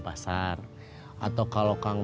saya bersih kayak brainsah